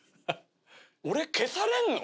俺消されんの？